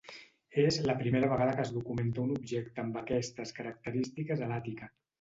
És la primera vegada que es documenta un objecte amb aquestes característiques a l'Àtica.